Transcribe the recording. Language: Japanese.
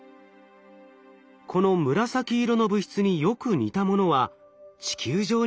この紫色の物質によく似たものは地球上にも存在しているといいます。